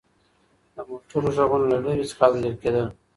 د موټرو غږونه له لرې څخه اورېدل کېدل.